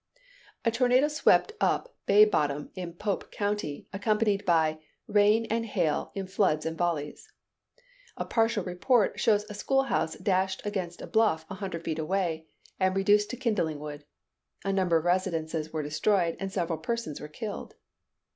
A tornado swept up Bay Bottom in Pope county, accompanied by "rain and hail in floods and volleys." A partial report shows a school house dashed against a bluff a hundred feet away and reduced to kindling wood. A number of residences were destroyed, and several persons were killed.